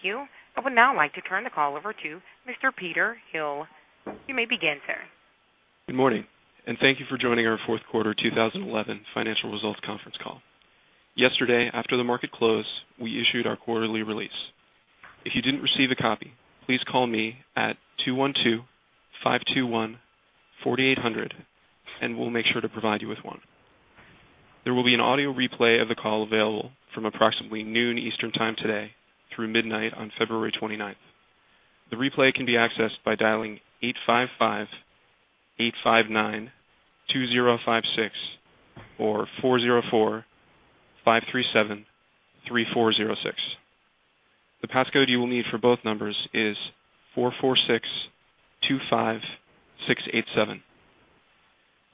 Thank you. I would now like to turn the call over to Mr. Peter Hill. You may begin, sir. Good morning. Thank you for joining our fourth quarter 2011 financial results conference call. Yesterday, after the market closed, we issued our quarterly release. If you didn't receive a copy, please call me at 212-521-4800 and we'll make sure to provide you with one. There will be an audio replay of the call available from approximately noon Eastern Time today through midnight on February 29th. The replay can be accessed by dialing 855-859-2056 or 404-537-3406. The passcode you will need for both numbers is 44625687.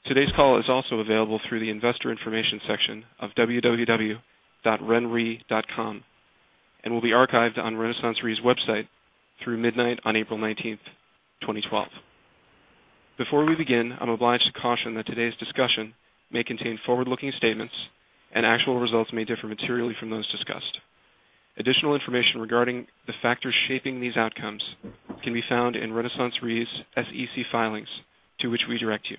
Today's call is also available through the investor information section of www.renre.com and will be archived on RenaissanceRe's website through midnight on April 19th, 2012. Before we begin, I'm obliged to caution that today's discussion may contain forward-looking statements and actual results may differ materially from those discussed. Additional information regarding the factors shaping these outcomes can be found in RenaissanceRe's SEC filings, to which we direct you.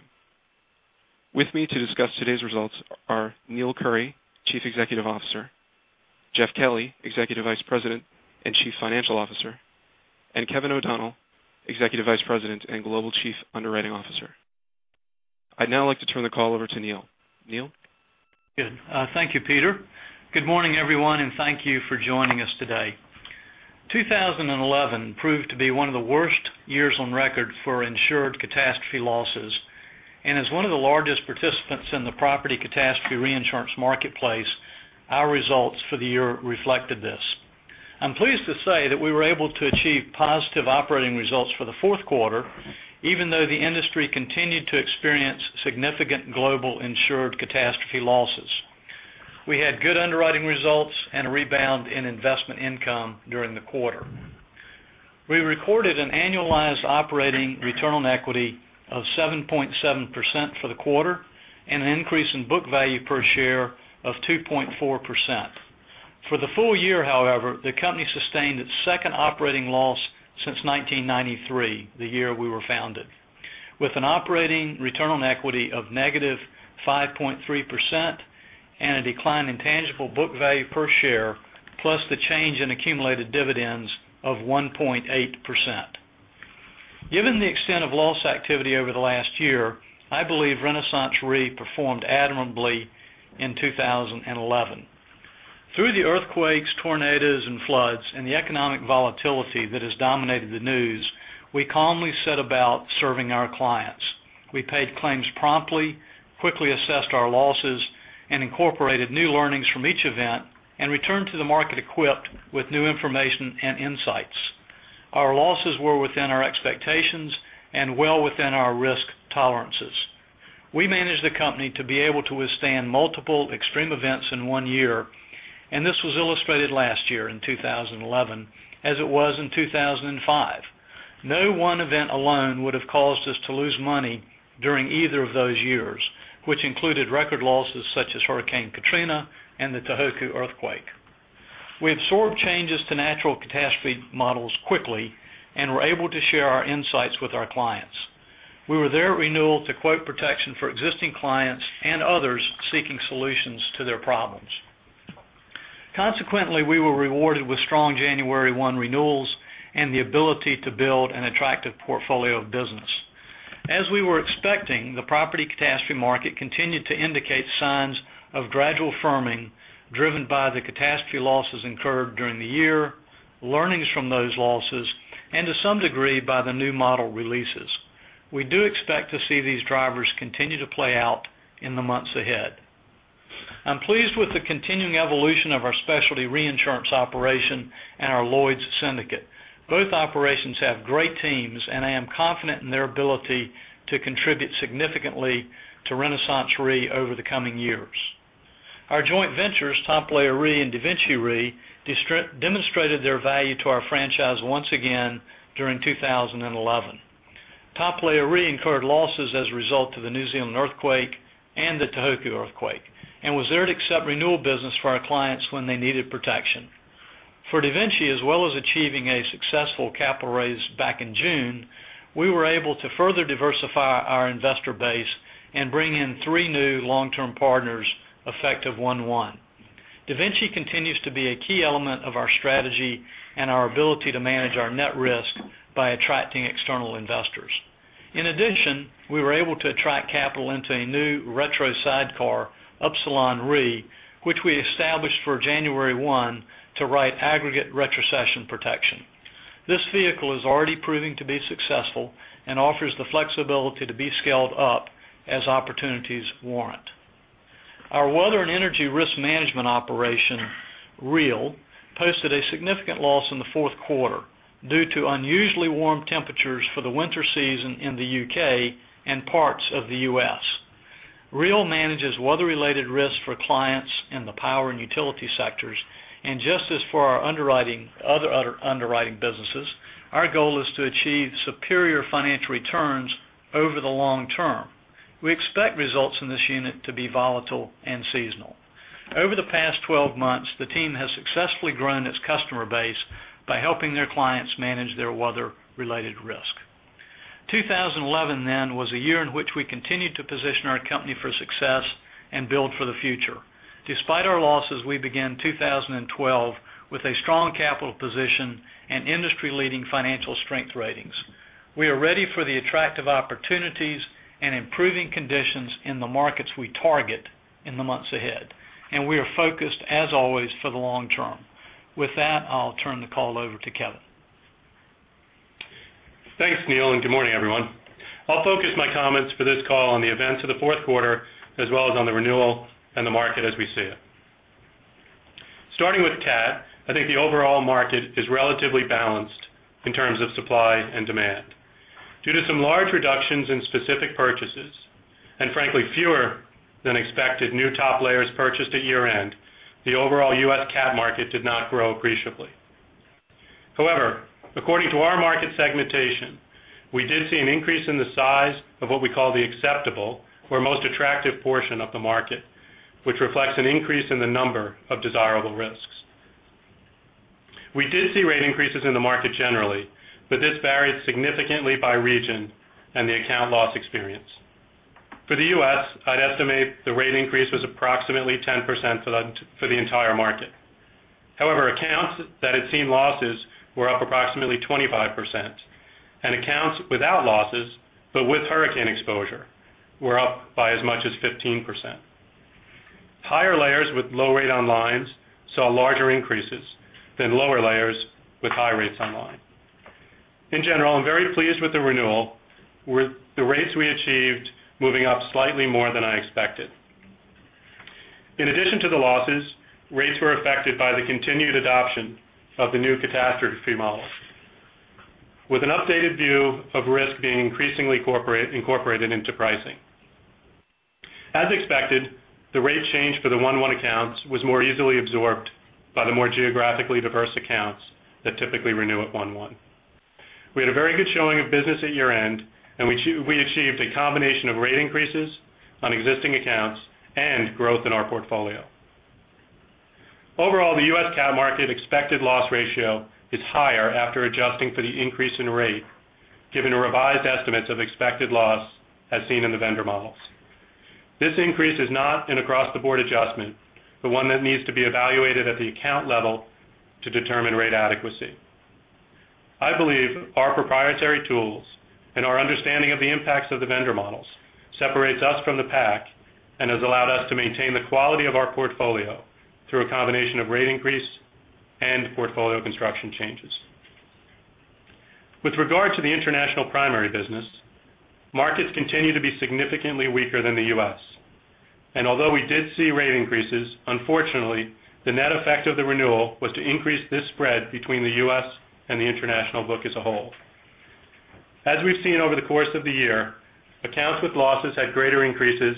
With me to discuss today's results are Neill Currie, Chief Executive Officer, Jeff Kelly, Executive Vice President and Chief Financial Officer, and Kevin O'Donnell, Executive Vice President and Global Chief Underwriting Officer. I'd now like to turn the call over to Neill. Neill? Good. Thank you, Peter. Good morning, everyone. Thank you for joining us today. 2011 proved to be one of the worst years on record for insured catastrophe losses. As one of the largest participants in the property catastrophe reinsurance marketplace, our results for the year reflected this. I'm pleased to say that we were able to achieve positive operating results for the fourth quarter, even though the industry continued to experience significant global insured catastrophe losses. We had good underwriting results and a rebound in investment income during the quarter. We recorded an annualized operating return on equity of 7.7% for the quarter and an increase in book value per share of 2.4%. For the full year, however, the company sustained its second operating loss since 1993, the year we were founded, with an operating return on equity of negative 5.3% and a decline in tangible book value per share, plus the change in accumulated dividends of 1.8%. Given the extent of loss activity over the last year, I believe RenaissanceRe performed admirably in 2011. Through the earthquakes, tornadoes, and floods, and the economic volatility that has dominated the news, we calmly set about serving our clients. We paid claims promptly, quickly assessed our losses, and incorporated new learnings from each event and returned to the market equipped with new information and insights. Our losses were within our expectations and well within our risk tolerances. We managed the company to be able to withstand multiple extreme events in one year, and this was illustrated last year in 2011, as it was in 2005. No one event alone would have caused us to lose money during either of those years, which included record losses such as Hurricane Katrina and the Tohoku earthquake. We absorbed changes to natural catastrophe models quickly and were able to share our insights with our clients. We were there at renewal to quote protection for existing clients and others seeking solutions to their problems. Consequently, we were rewarded with strong January 1 renewals and the ability to build an attractive portfolio of business. As we were expecting, the property catastrophe market continued to indicate signs of gradual firming driven by the catastrophe losses incurred during the year, learnings from those losses, and to some degree, by the new model releases. We do expect to see these drivers continue to play out in the months ahead. I'm pleased with the continuing evolution of our specialty reinsurance operation and our Lloyd's syndicate. Both operations have great teams, and I am confident in their ability to contribute significantly to RenaissanceRe over the coming years. Our joint ventures, Top Layer Re and DaVinci Re, demonstrated their value to our franchise once again during 2011. Top Layer Re incurred losses as a result of the New Zealand earthquake and the Tohoku earthquake, and was there to accept renewal business for our clients when they needed protection. For DaVinci, as well as achieving a successful capital raise back in June, we were able to further diversify our investor base and bring in three new long-term partners effective January 1. DaVinci continues to be a key element of our strategy and our ability to manage our net risk by attracting external investors. In addition, we were able to attract capital into a new retro sidecar, Upsilon Re, which we established for January 1 to write aggregate retrocession protection. This vehicle is already proving to be successful and offers the flexibility to be scaled up as opportunities warrant. Our weather and energy risk management operation, REEL, posted a significant loss in the fourth quarter due to unusually warm temperatures for the winter season in the U.K. and parts of the U.S. REEL manages weather-related risks for clients in the power and utility sectors, and just as for our other underwriting businesses, our goal is to achieve superior financial returns over the long term. We expect results in this unit to be volatile and seasonal. Over the past 12 months, the team has successfully grown its customer base by helping their clients manage their weather-related risk. 2011, then, was a year in which we continued to position our company for success and build for the future. Despite our losses, we began 2012 with a strong capital position and industry-leading financial strength ratings. We are ready for the attractive opportunities and improving conditions in the markets we target in the months ahead, and we are focused, as always, for the long term. I'll turn the call over to Kevin. Thanks, Neill, and good morning, everyone. I'll focus my comments for this call on the events of the fourth quarter as well as on the renewal and the market as we see it. Starting with CAT, I think the overall market is relatively balanced in terms of supply and demand. Due to some large reductions in specific purchases, and frankly, fewer than expected new top layers purchased at year-end, the overall U.S. CAT market did not grow appreciably. However, according to our market segmentation, we did see an increase in the size of what we call the acceptable or most attractive portion of the market, which reflects an increase in the number of desirable risks. We did see rate increases in the market generally, but this varied significantly by region and the account loss experience. For the U.S., I'd estimate the rate increase was approximately 10% for the entire market. Accounts that had seen losses were up approximately 25%, and accounts without losses, but with hurricane exposure, were up by as much as 15%. Higher layers with low rate on line saw larger increases than lower layers with high rates on line. In general, I'm very pleased with the renewal, with the rates we achieved moving up slightly more than I expected. In addition to the losses, rates were affected by the continued adoption of the new catastrophe model, with an updated view of risk being increasingly incorporated into pricing. As expected, the rate change for the 1/1 accounts was more easily absorbed by the more geographically diverse accounts that typically renew at 1/1. We had a very good showing of business at year-end, and we achieved a combination of rate increases on existing accounts and growth in our portfolio. The U.S. CAT market expected loss ratio is higher after adjusting for the increase in rate, given the revised estimates of expected loss as seen in the vendor models. This increase is not an across-the-board adjustment, but one that needs to be evaluated at the account level to determine rate adequacy. I believe our proprietary tools and our understanding of the impacts of the vendor models separates us from the pack and has allowed us to maintain the quality of our portfolio through a combination of rate increase and portfolio construction changes. With regard to the international primary business, markets continue to be significantly weaker than the U.S. Although we did see rate increases, unfortunately, the net effect of the renewal was to increase this spread between the U.S. and the international book as a whole. As we've seen over the course of the year, accounts with losses had greater increases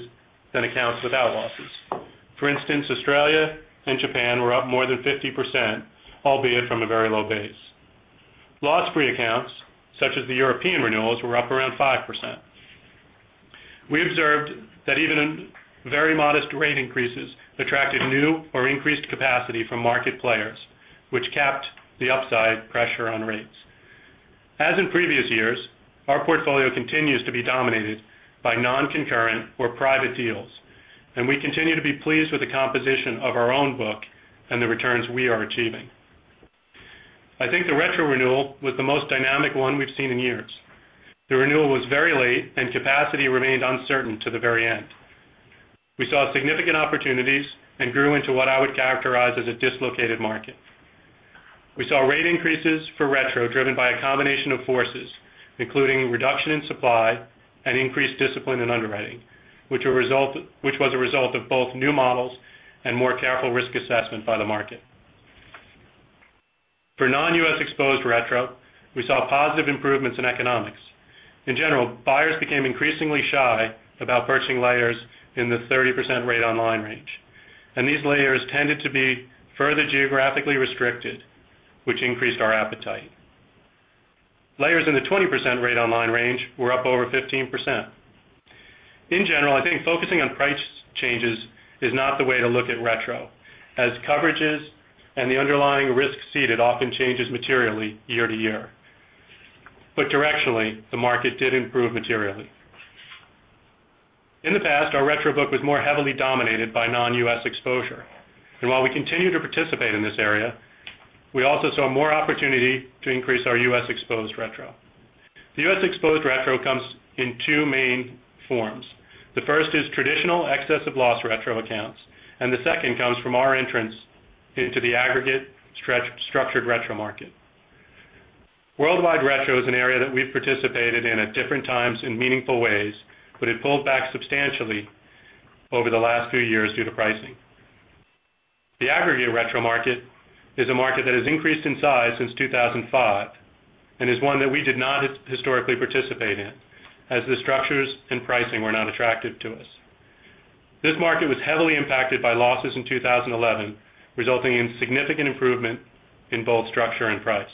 than accounts without losses. For instance, Australia and Japan were up more than 50%, albeit from a very low base. Loss-free accounts, such as the European renewals, were up around 5%. We observed that even in very modest rate increases attracted new or increased capacity from market players, which capped the upside pressure on rates. As in previous years, our portfolio continues to be dominated by non-concurrent or private deals, and we continue to be pleased with the composition of our own book and the returns we are achieving. I think the retro renewal was the most dynamic one we've seen in years. The renewal was very late and capacity remained uncertain to the very end. We saw significant opportunities and grew into what I would characterize as a dislocated market. We saw rate increases for retro driven by a combination of forces, including reduction in supply and increased discipline in underwriting, which was a result of both new models and more careful risk assessment by the market. For non-U.S. exposed retro, we saw positive improvements in economics. In general, buyers became increasingly shy about purchasing layers in the 30% rate on line range, and these layers tended to be further geographically restricted, which increased our appetite. Layers in the 20% rate on line range were up over 15%. In general, I think focusing on price changes is not the way to look at retro, as coverages and the underlying risk ceded often changes materially year to year. Directionally, the market did improve materially. In the past, our retro book was more heavily dominated by non-U.S. exposure. While we continue to participate in this area, we also saw more opportunity to increase our U.S. exposed retro. The U.S. exposed retro comes in two main forms. The first is traditional excess of loss retro accounts, and the second comes from our entrance into the aggregate structured retro market. Worldwide retro is an area that we've participated in at different times in meaningful ways, but it pulled back substantially over the last few years due to pricing. The aggregate retro market is a market that has increased in size since 2005 and is one that we did not historically participate in, as the structures and pricing were not attractive to us. This market was heavily impacted by losses in 2011, resulting in significant improvement in both structure and price.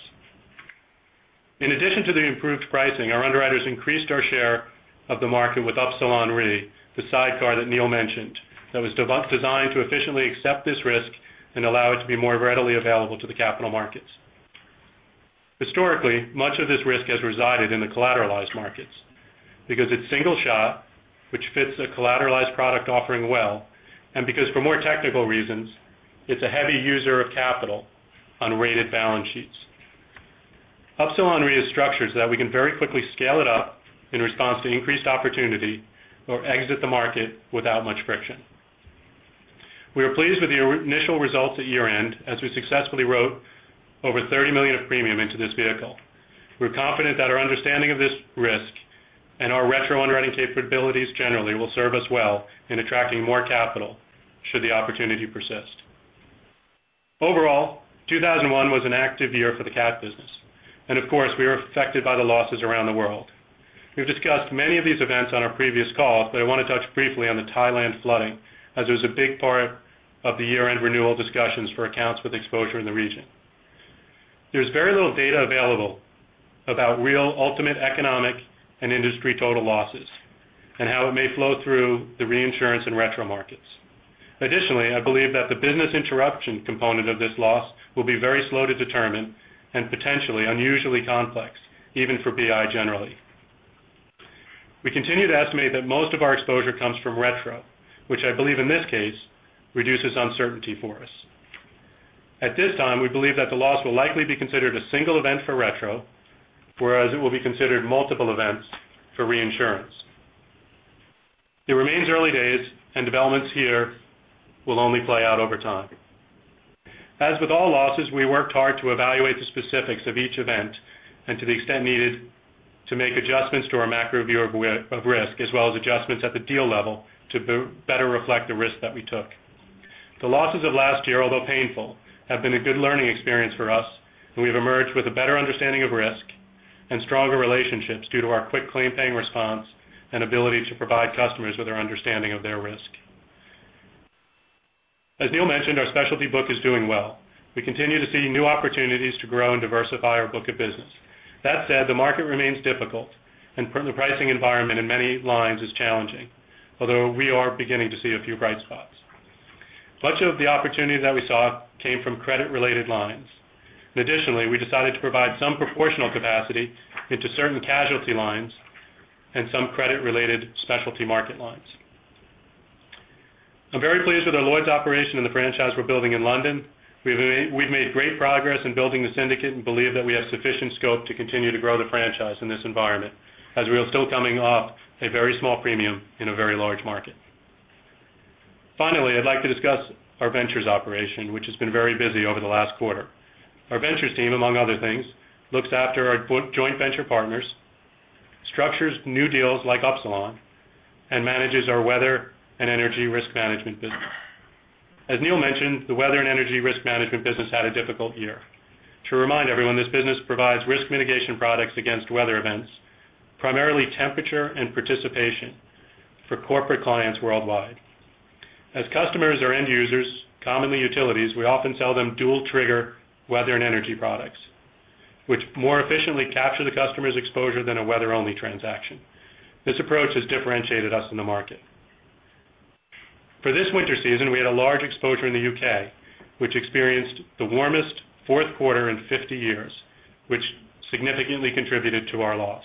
In addition to the improved pricing, our underwriters increased our share of the market with Upsilon Re, the sidecar that Neill mentioned, that was designed to efficiently accept this risk and allow it to be more readily available to the capital markets. Historically, much of this risk has resided in the collateralized markets because it's single shot, which fits a collateralized product offering well, and because for more technical reasons, it's a heavy user of capital on rated balance sheets. Upsilon Re is structured so that we can very quickly scale it up in response to increased opportunity or exit the market without much friction. We are pleased with the initial results at year-end, as we successfully wrote over $30 million of premium into this vehicle. We're confident that our understanding of this risk and our retro underwriting capabilities generally will serve us well in attracting more capital should the opportunity persist. Overall, 2011 was an active year for the cat business. Of course, we were affected by the losses around the world. We've discussed many of these events on our previous call, but I want to touch briefly on the Thailand flooding as it was a big part of the year-end renewal discussions for accounts with exposure in the region. There's very little data available about real ultimate economic and industry total losses and how it may flow through the reinsurance and retro markets. Additionally, I believe that the business interruption component of this loss will be very slow to determine and potentially unusually complex, even for BI generally. We continue to estimate that most of our exposure comes from retro, which I believe in this case reduces uncertainty for us. At this time, we believe that the loss will likely be considered a single event for retro, whereas it will be considered multiple events for reinsurance. It remains early days. Developments here will only play out over time. As with all losses, we worked hard to evaluate the specifics of each event and to the extent needed to make adjustments to our macro view of risk, as well as adjustments at the deal level to better reflect the risk that we took. The losses of last year, although painful, have been a good learning experience for us. We've emerged with a better understanding of risk and stronger relationships due to our quick claim paying response and ability to provide customers with our understanding of their risk. As Neill mentioned, our specialty book is doing well. We continue to see new opportunities to grow and diversify our book of business. That said, the market remains difficult. The pricing environment in many lines is challenging, although we are beginning to see a few bright spots. Much of the opportunities that we saw came from credit related lines. Additionally, we decided to provide some proportional capacity into certain casualty lines and some credit related specialty market lines. I'm very pleased with our Lloyd's operation and the franchise we're building in London. We've made great progress in building the syndicate and believe that we have sufficient scope to continue to grow the franchise in this environment as we are still coming off a very small premium in a very large market. Finally, I'd like to discuss our ventures operation, which has been very busy over the last quarter. Our ventures team, among other things, looks after our joint venture partners, structures new deals like Upsilon, manages our weather and energy risk management business. As Neill mentioned, the weather and energy risk management business had a difficult year. To remind everyone, this business provides risk mitigation products against weather events, primarily temperature and precipitation for corporate clients worldwide. As customers are end users, commonly utilities, we often sell them dual trigger weather and energy products, which more efficiently capture the customer's exposure than a weather only transaction. This approach has differentiated us in the market. For this winter season, we had a large exposure in the U.K., which experienced the warmest fourth quarter in 50 years, which significantly contributed to our loss.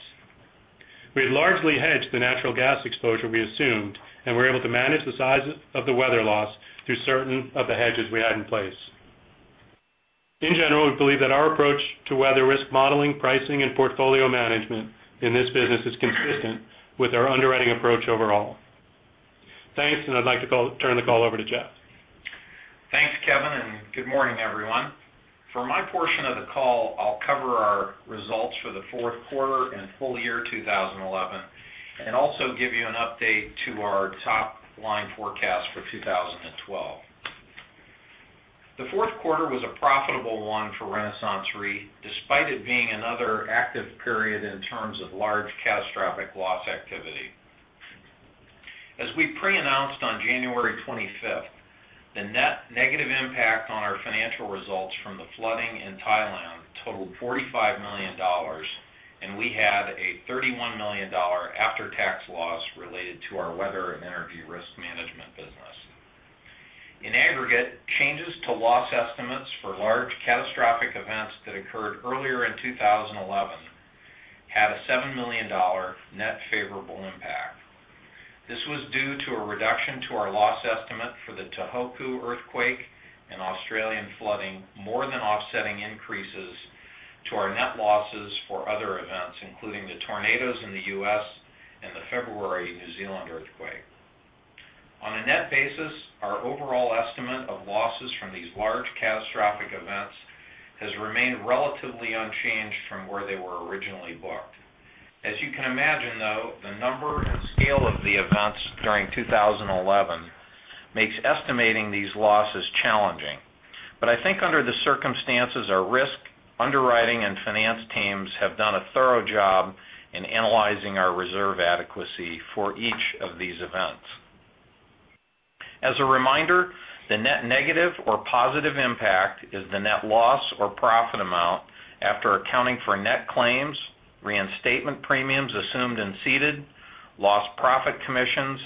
We had largely hedged the natural gas exposure we assumed, and were able to manage the size of the weather loss through certain of the hedges we had in place. In general, we believe that our approach to weather risk modeling, pricing, and portfolio management in this business is consistent with our underwriting approach overall. Thanks, and I'd like to turn the call over to Jeff. Thanks, Kevin, and good morning, everyone. For my portion of the call, I'll cover our results for the fourth quarter and full year 2011 and also give you an update to our top-line forecast for 2012. The fourth quarter was a profitable one for RenaissanceRe, despite it being another active period in terms of large catastrophic loss activity. As we pre-announced on January 25th, the net negative impact on our financial results from the flooding in Thailand totaled $45 million, and we had a $31 million after-tax loss related to our weather and energy risk management business. In aggregate, changes to loss estimates for large catastrophic events that occurred earlier in 2011 had a $7 million net favorable impact. This was due to a reduction to our loss estimate for the Tohoku earthquake and Australian flooding more than offsetting increases to our net losses for other events, including the tornadoes in the U.S. and the February New Zealand earthquake. On a net basis, our overall estimate of losses from these large catastrophic events has remained relatively unchanged from where they were originally booked. As you can imagine, though, the number and scale of the events during 2011 makes estimating these losses challenging. I think under the circumstances, our risk, underwriting, and finance teams have done a thorough job in analyzing our reserve adequacy for each of these events. As a reminder, the net negative or positive impact is the net loss or profit amount after accounting for net claims, reinstatement premiums assumed and ceded, lost profit commissions,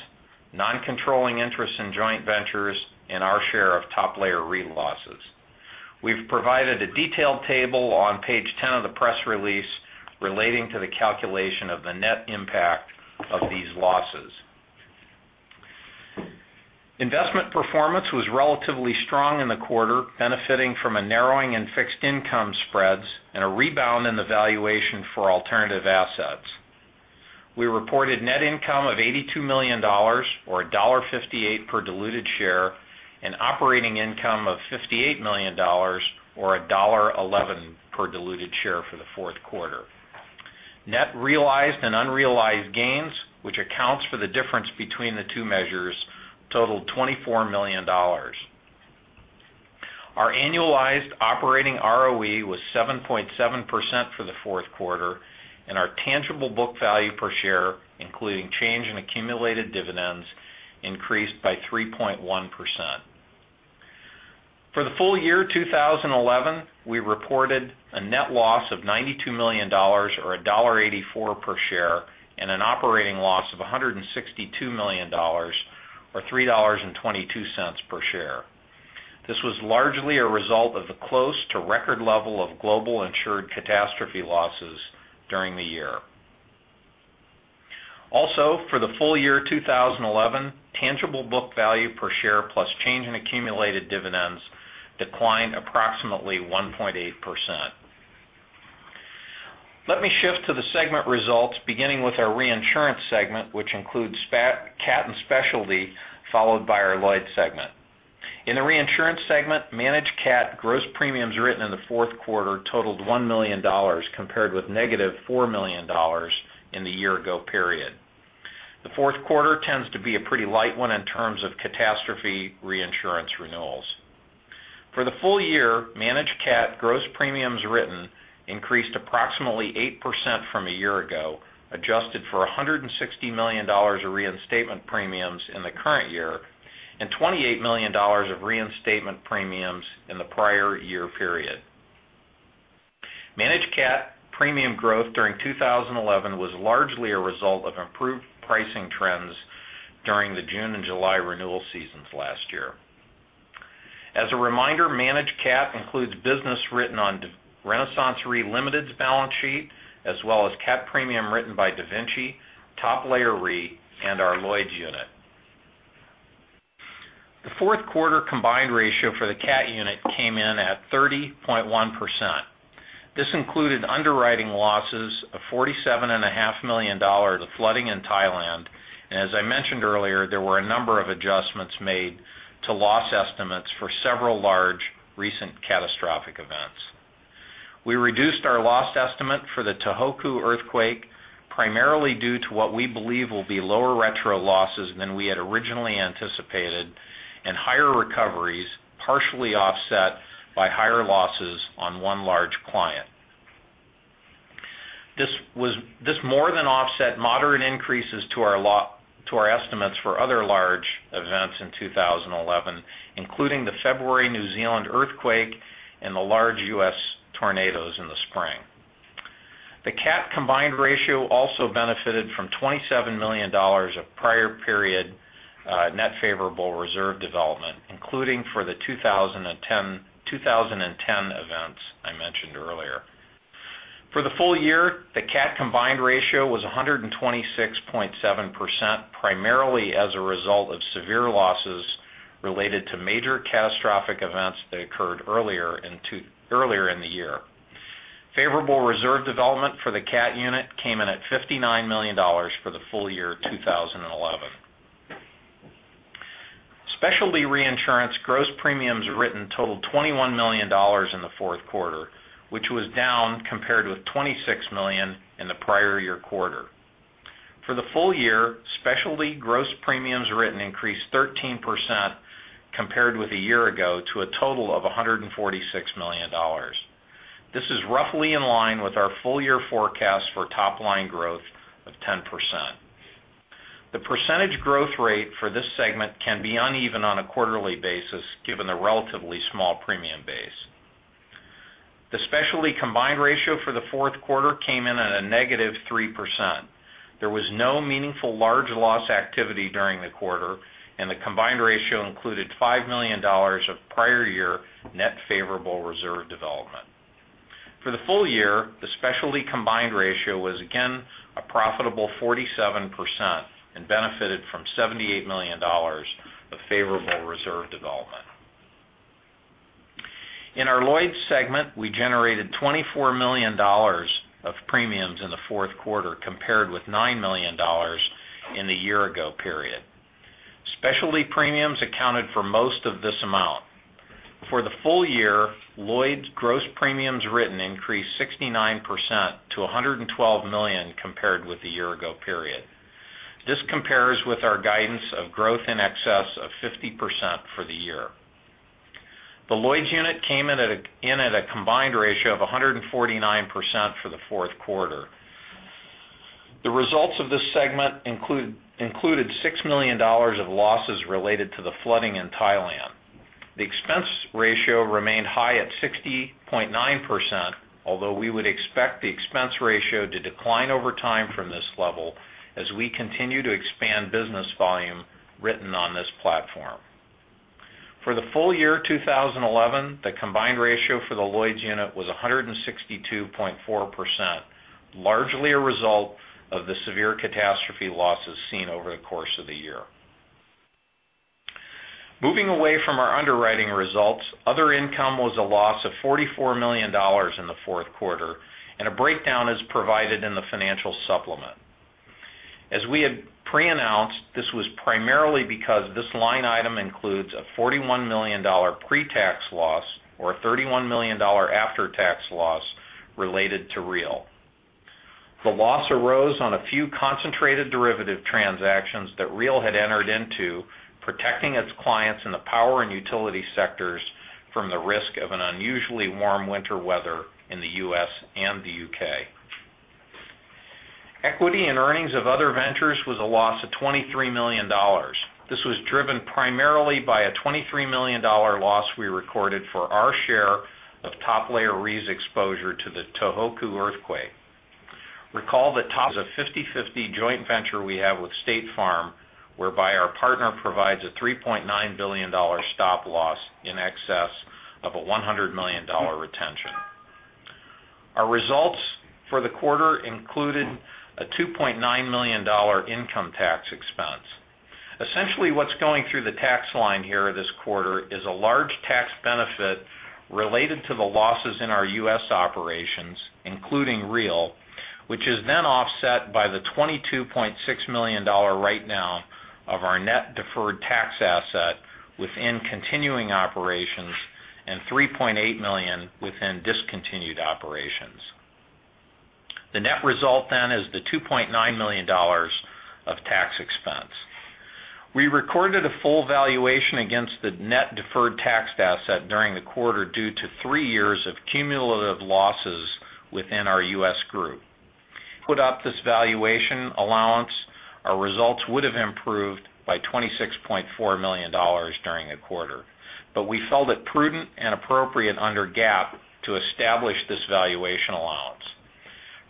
non-controlling interest in joint ventures, and our share of Top Layer Re losses. We've provided a detailed table on page 10 of the press release relating to the calculation of the net impact of these losses. Investment performance was relatively strong in the quarter, benefiting from a narrowing in fixed income spreads and a rebound in the valuation for alternative assets. We reported net income of $82 million, or $1.58 per diluted share, and operating income of $58 million, or $1.11 per diluted share for the fourth quarter. Net realized and unrealized gains, which accounts for the difference between the two measures, totaled $24 million. Our annualized operating ROE was 7.7% for the fourth quarter, and our tangible book value per share, including change in accumulated dividends, increased by 3.1%. For the full year 2011, we reported a net loss of $92 million, or $1.84 per share, and an operating loss of $162 million, or $3.22 per share. This was largely a result of the close to record level of global insured catastrophe losses during the year. For the full year 2011, tangible book value per share plus change in accumulated dividends declined approximately 1.8%. Let me shift to the segment results, beginning with our reinsurance segment, which includes cat and specialty, followed by our Lloyd's segment. In the reinsurance segment, managed cat gross premiums written in the fourth quarter totaled $1 million, compared with negative $4 million in the year ago period. The fourth quarter tends to be a pretty light one in terms of catastrophe reinsurance renewals. For the full year, managed cat gross premiums written increased approximately 8% from a year ago, adjusted for $160 million of reinstatement premiums in the current year and $28 million of reinstatement premiums in the prior year period. Managed cat premium growth during 2011 was largely a result of improved pricing trends during the June and July renewal seasons last year. As a reminder, managed cat includes business written on RenaissanceRe Limited's balance sheet, as well as cat premium written by DaVinci, Top Layer Re, and our Lloyd's unit. The fourth quarter combined ratio for the cat unit came in at 30.1%. This included underwriting losses of $47.5 million of flooding in Thailand, and as I mentioned earlier, there were a number of adjustments made to loss estimates for several large recent catastrophic events. We reduced our loss estimate for the Tohoku earthquake primarily due to what we believe will be lower retro losses than we had originally anticipated and higher recoveries, partially offset by higher losses on one large client. This more than offset moderate increases to our estimates for other large events in 2011, including the February New Zealand earthquake and the large U.S. tornadoes in the spring. The cat combined ratio also benefited from $27 million of prior period net favorable reserve development, including for the 2010 events I mentioned earlier. For the full year, the cat combined ratio was 126.7%, primarily as a result of severe losses related to major catastrophic events that occurred earlier in the year. Favorable reserve development for the cat unit came in at $59 million for the full year 2011. Specialty reinsurance gross premiums written totaled $21 million in the fourth quarter, which was down compared with $26 million in the prior year quarter. For the full year, specialty gross premiums written increased 13% compared with a year ago to a total of $146 million. This is roughly in line with our full year forecast for top line growth of 10%. The percentage growth rate for this segment can be uneven on a quarterly basis given the relatively small premium base. The specialty combined ratio for the fourth quarter came in at a negative 3%. There was no meaningful large loss activity during the quarter, and the combined ratio included $5 million of prior year net favorable reserve development. For the full year, the specialty combined ratio was again a profitable 47% and benefited from $78 million of favorable reserve development. In our Lloyd's segment, we generated $24 million of premiums in the fourth quarter compared with $9 million in the year ago period. Specialty premiums accounted for most of this amount. For the full year, Lloyd's gross premiums written increased 69% to $112 million compared with the year ago period. This compares with our guidance of growth in excess of 50% for the year. The Lloyd's unit came in at a combined ratio of 149% for the fourth quarter. The results of this segment included $6 million of losses related to the flooding in Thailand. The expense ratio remained high at 60.9%, although we would expect the expense ratio to decline over time from this level as we continue to expand business volume written on this platform. For the full year 2011, the combined ratio for the Lloyd's unit was 162.4%, largely a result of the severe catastrophe losses seen over the course of the year. Moving away from our underwriting results, other income was a loss of $44 million in the fourth quarter, and a breakdown is provided in the financial supplement. As we had pre-announced, this was primarily because this line item includes a $41 million pre-tax loss or a $31 million after-tax loss related to REEL. The loss arose on a few concentrated derivative transactions that REEL had entered into protecting its clients in the power and utility sectors from the risk of an unusually warm winter weather in the U.S. and the U.K. Equity and earnings of other ventures was a loss of $23 million. This was driven primarily by a $23 million loss we recorded for our share of Top Layer Re's exposure to the Tohoku earthquake. Recall the Top is a 50/50 joint venture we have with State Farm, whereby our partner provides a $3.9 billion stop loss in excess of a $100 million retention. Our results for the quarter included a $2.9 million income tax expense. Essentially, what's going through the tax line here this quarter is a large tax benefit related to the losses in our U.S. operations, including REEL, which is offset by the $22.6 million writedown of our net deferred tax asset within continuing operations and $3.8 million within discontinued operations. The net result is the $2.9 million of tax expense. We recorded a full valuation against the net deferred tax asset during the quarter due to three years of cumulative losses within our U.S. group. Put up this valuation allowance, our results would have improved by $26.4 million during the quarter. We felt it prudent and appropriate under GAAP to establish this valuation allowance.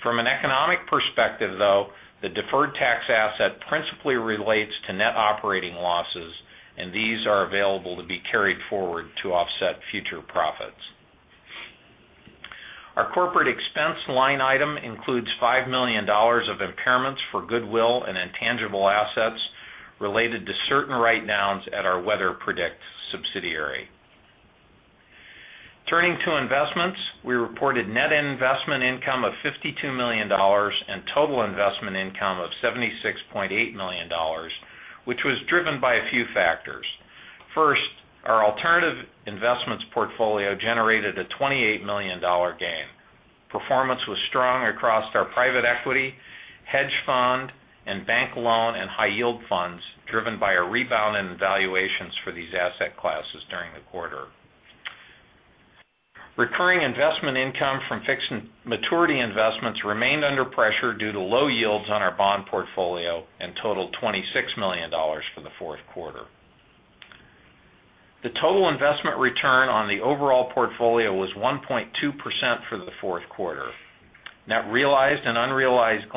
From an economic perspective, though, the deferred tax asset principally relates to net operating losses, and these are available to be carried forward to offset future profits. Our corporate expense line item includes $5 million of impairments for goodwill and intangible assets related to certain writedowns at our Weather Predict subsidiary. Turning to investments, we reported net investment income of $52 million and total investment income of $76.8 million, which was driven by a few factors. First, our alternative investments portfolio generated a $28 million gain. Performance was strong across our private equity, hedge fund, and bank loan and high yield funds, driven by a rebound in valuations for these asset classes during the quarter. Recurring investment income from fixed maturity investments remained under pressure due to low yields on our bond portfolio and totaled $26 million for the fourth quarter. The total investment return on the overall portfolio was 1.2% for the fourth quarter. Net realized and unrealized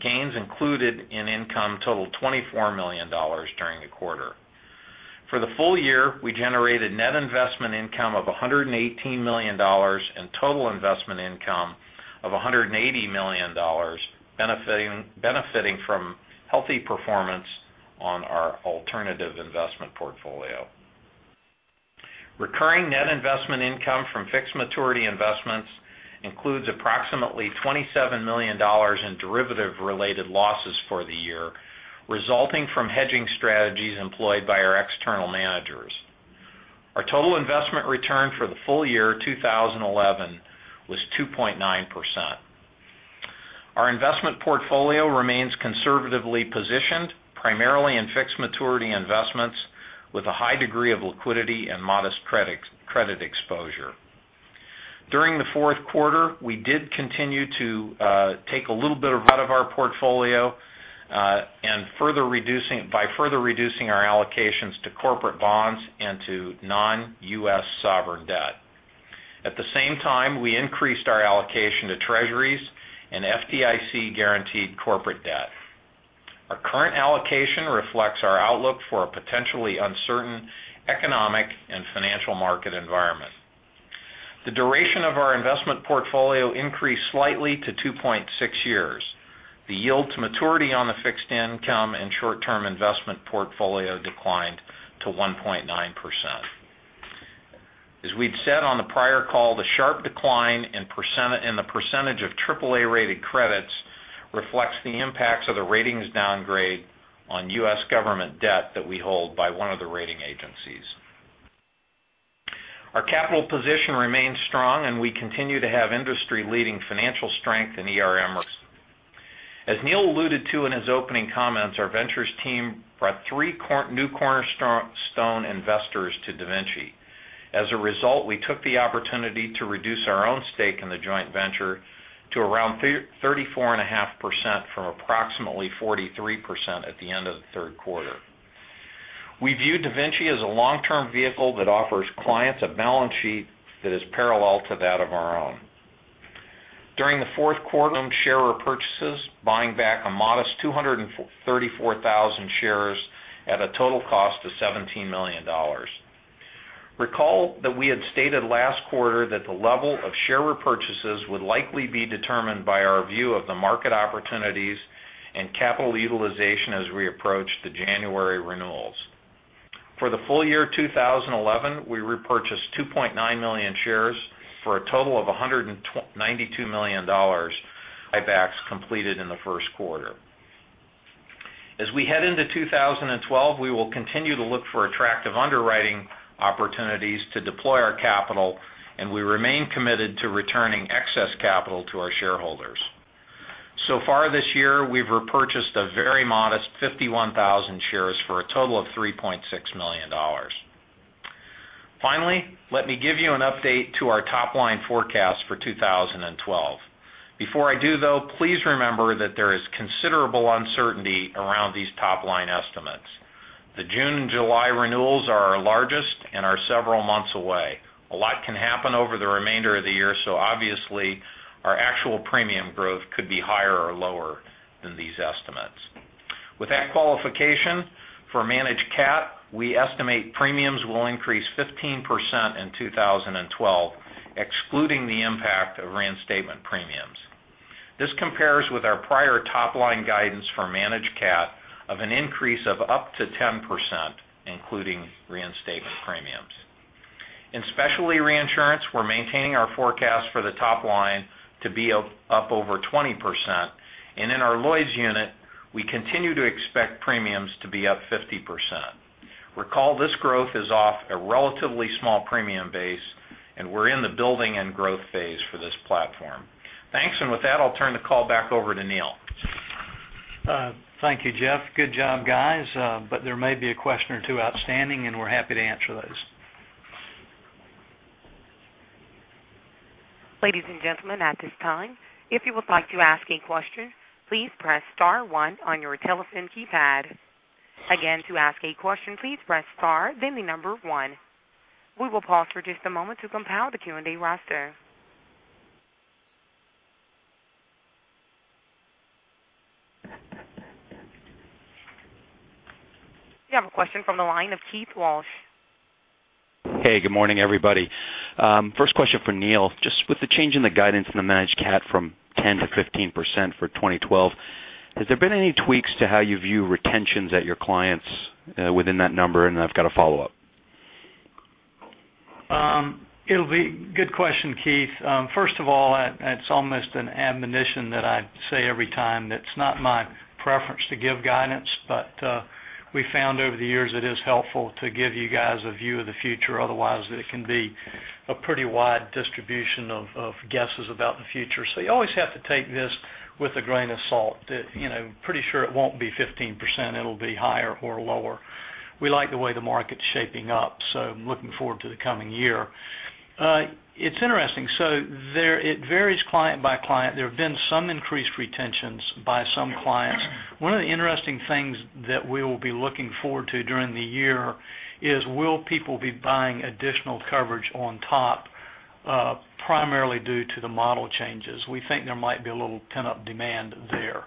gains included in income totaled $24 million during the quarter. For the full year, we generated net investment income of $118 million and total investment income of $180 million, benefiting from healthy performance on our alternative investment portfolio. Recurring net investment income from fixed maturity investments includes approximately $27 million in derivative-related losses for the year, resulting from hedging strategies employed by our external managers. Our total investment return for the full year 2011 was 2.9%. Our investment portfolio remains conservatively positioned primarily in fixed maturity investments with a high degree of liquidity and modest credit exposure. During the fourth quarter, we did continue to take a little bit out of our portfolio by further reducing our allocations to corporate bonds and to non-U.S. sovereign debt. At the same time, we increased our allocation to Treasuries and FDIC-guaranteed corporate debt. Our current allocation reflects our outlook for a potentially uncertain economic and financial market environment. The duration of our investment portfolio increased slightly to 2.6 years. The yield to maturity on the fixed income and short-term investment portfolio declined to 1.9%. As we'd said on the prior call, the sharp decline in the percentage of AAA-rated credits reflects the impacts of the ratings downgrade on U.S. government debt that we hold by one of the rating agencies. Our capital position remains strong, and we continue to have industry-leading financial strength in ERM risk. As Neill alluded to in his opening comments, our ventures team brought three new cornerstone investors to DaVinci. As a result, we took the opportunity to reduce our own stake in the joint venture to around 34.5% from approximately 43% at the end of the third quarter. We view DaVinci as a long-term vehicle that offers clients a balance sheet that is parallel to that of our own. During the fourth quarter, share repurchases, buying back a modest 234,000 shares at a total cost of $17 million. Recall that we had stated last quarter that the level of share repurchases would likely be determined by our view of the market opportunities and capital utilization as we approach the January renewals. For the full year 2011, we repurchased 2.9 million shares for a total of $192 million buybacks completed in the first quarter. As we head into 2012, we will continue to look for attractive underwriting opportunities to deploy our capital, and we remain committed to returning excess capital to our shareholders. So far this year, we've repurchased a very modest 51,000 shares for a total of $3.6 million. Finally, let me give you an update to our top-line forecast for 2012. Before I do, though, please remember that there is considerable uncertainty around these top-line estimates. The June and July renewals are our largest and are several months away. A lot can happen over the remainder of the year, obviously, our actual premium growth could be higher or lower than these estimates. With that qualification, for Managed Cat, we estimate premiums will increase 15% in 2012, excluding the impact of reinstatement premiums. This compares with our prior top-line guidance for Managed Cat of an increase of up to 10%, including reinstatement premiums. In specialty reinsurance, we're maintaining our forecast for the top line to be up over 20%, and in our Lloyd's unit, we continue to expect premiums to be up 50%. Recall, this growth is off a relatively small premium base, and we're in the building and growth phase for this platform. Thanks. With that, I'll turn the call back over to Neill. Thank you, Jeff. Good job, guys. There may be a question or two outstanding, and we're happy to answer those. Ladies and gentlemen, at this time, if you would like to ask a question, please press star one on your telephone keypad. Again, to ask a question, please press star, then the number one. We will pause for just a moment to compile the Q&A roster. We have a question from the line of Keith Walsh. Hey, good morning, everybody. First question for Neill. Just with the change in the guidance in the Managed Cat from 10% to 15% for 2012, has there been any tweaks to how you view retentions at your clients within that number, and I've got a follow-up. Good question, Keith. First of all, it's almost an admonition that I say every time that it's not my preference to give guidance. We found over the years it is helpful to give you guys a view of the future. Otherwise, it can be a pretty wide distribution of guesses about the future. You always have to take this with a grain of salt. Pretty sure it won't be 15%, it'll be higher or lower. We like the way the market's shaping up, so I'm looking forward to the coming year. It's interesting. It varies client by client. There have been some increased retentions by some clients. One of the interesting things that we will be looking forward to during the year is will people be buying additional coverage on top primarily due to the model changes? We think there might be a little pent up demand there.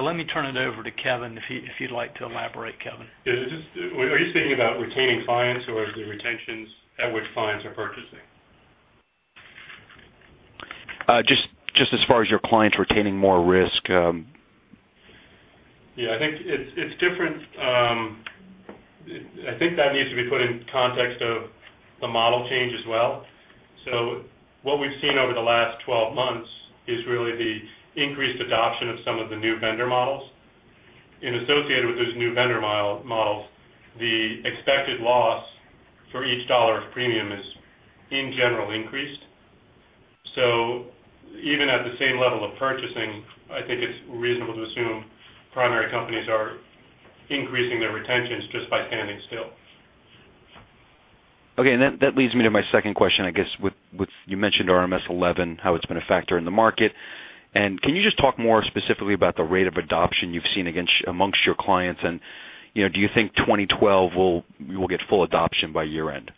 Let me turn it over to Kevin, if you'd like to elaborate, Kevin. Are you thinking about retaining clients or the retentions at which clients are purchasing? Just as far as your clients retaining more risk. Yeah, I think it's different. I think that needs to be put in context of the model change as well. What we've seen over the last 12 months is really the increased adoption of some of the new vendor models. Associated with those new vendor models, the expected loss for each $ of premium is, in general, increased. Even at the same level of purchasing, I think it's reasonable to assume primary companies are increasing their retentions just by standing still. Okay, that leads me to my second question, I guess, with you mentioned RMS v11, how it's been a factor in the market. Can you just talk more specifically about the rate of adoption you've seen amongst your clients, and do you think 2012 will get full adoption by year end?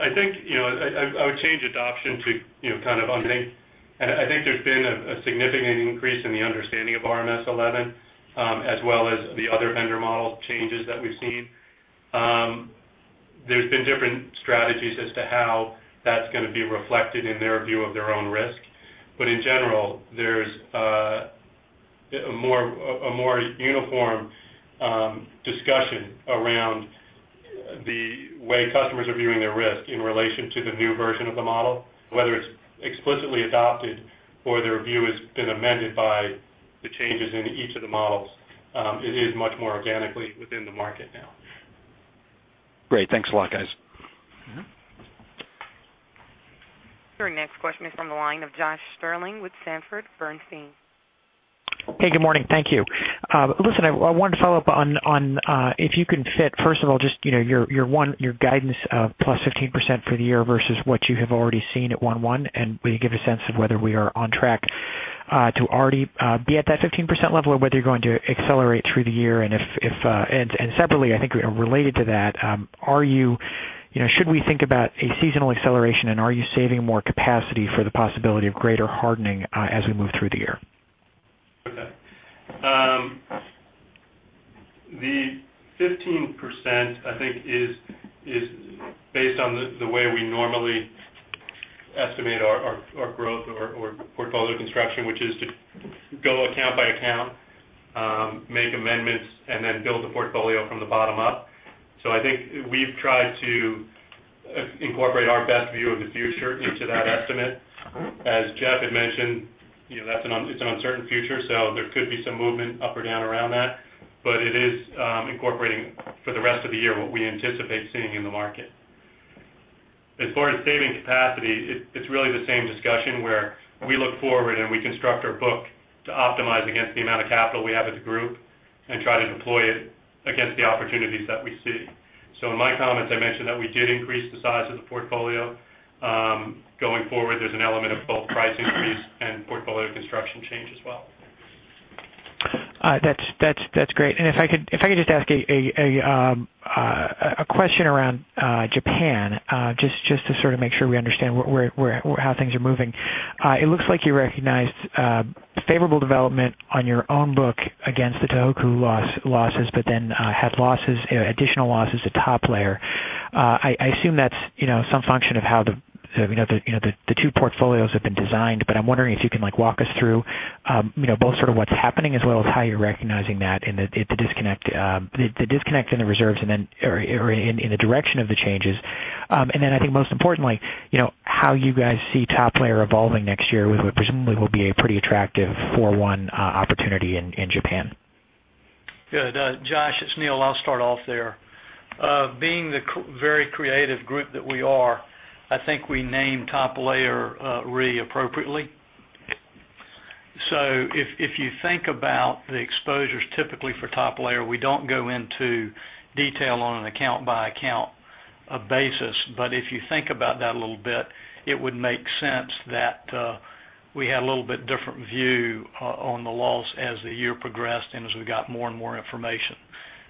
I would change adoption to kind of understanding. I think there's been a significant increase in the understanding of RMS v11, as well as the other vendor model changes that we've seen. There's been different strategies as to how that's going to be reflected in their view of their own risk. In general, there's a more uniform discussion around the way customers are viewing their risk in relation to the new version of the model, whether it's explicitly adopted or their view has been amended by the changes in each of the models. It is much more organically within the market now. Great. Thanks a lot, guys. Your next question is from the line of Josh Stirlingwith Sanford Bernstein. Hey, good morning. Thank you. Listen, I wanted to follow up on, if you can fit, first of all, just your guidance of plus 15% for the year versus what you have already seen at 1/1, and will you give a sense of whether we are on track to already be at that 15% level, or whether you're going to accelerate through the year? Separately, I think related to that, should we think about a seasonal acceleration, and are you saving more capacity for the possibility of greater hardening as we move through the year? Okay. The 15%, I think is based on the way we normally estimate our growth or portfolio construction, which is to go account by account, make amendments, and then build the portfolio from the bottom up. I think we've tried to incorporate our best view of the future into that estimate. As Jeff had mentioned, it's an uncertain future, so there could be some movement up or down around that, but it is incorporating for the rest of the year what we anticipate seeing in the market. As far as saving capacity, it's really the same discussion where we look forward, and we construct our book to optimize against the amount of capital we have as a group and try to deploy it against the opportunities that we see. In my comments, I mentioned that we did increase the size of the portfolio. Going forward, there's an element of both price increase and portfolio construction change as well. That's great. If I could just ask a question around Japan, just to sort of make sure we understand how things are moving. It looks like you recognized favorable development on your own book against the Tohoku losses, but then had additional losses at Top Layer Re. I assume that's some function of how the two portfolios have been designed, but I'm wondering if you can walk us through both what's happening as well as how you're recognizing that, and the disconnect in the reserves or in the direction of the changes. Then I think most importantly, how you guys see Top Layer Re evolving next year with what presumably will be a pretty attractive 4/1 opportunity in Japan. Good. Josh, it's Neill. I'll start off there. Being the very creative group that we are, I think we named Top Layer Re appropriately. If you think about the exposures typically for Top Layer Re, we don't go into detail on an account-by-account basis. If you think about that a little bit, it would make sense that we had a little bit different view on the loss as the year progressed and as we got more and more information.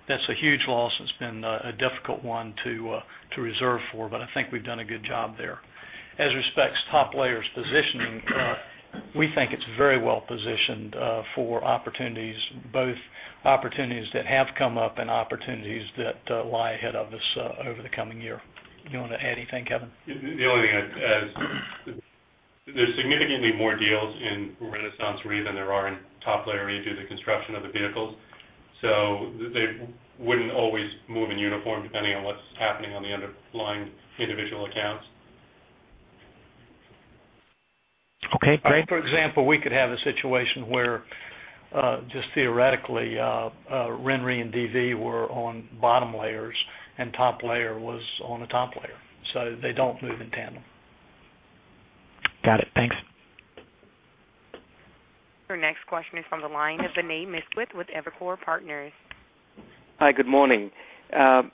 That's a huge loss. It's been a difficult one to reserve for, but I think we've done a good job there. As respects Top Layer Re's positioning, we think it's very well-positioned for opportunities, both opportunities that have come up and opportunities that lie ahead of us over the coming year. You want to add anything, Kevin? The only thing is there's significantly more deals in RenaissanceRe than there are in Top Layer Re due to the construction of the vehicles. They wouldn't always move in uniform depending on what's happening on the underlying individual accounts. Okay, great. For example, we could have a situation where, just theoretically, RenRe and DV were on bottom layers and Top Layer Re was on a top layer, they don't move in tandem. Got it. Thanks. Your next question is from the line of Vinay Misquith with Evercore Partners. Hi, good morning. The